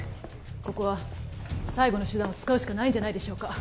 ここは最後の手段を使うしかないんじゃないでしょうか？